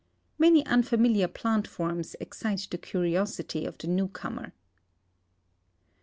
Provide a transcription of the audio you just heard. Many unfamiliar plant forms excite the curiosity of the new comer.